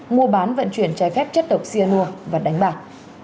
mua bán vận chuyển trái phép chất độc xia nua và đánh bạc